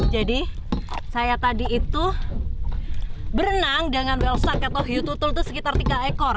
jadi saya tadi itu berenang dengan well suck atau hiu tutul itu sekitar tiga ekor